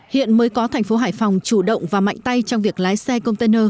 hiện mới có tp hải phòng chủ động và mạnh tay trong việc lái xe container